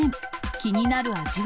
気になる味は？